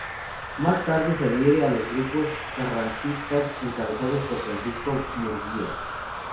Más tarde, se adhiere a los grupos carrancistas encabezados por Francisco Murguía.